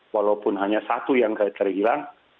walaupun hanya satu yang terhilang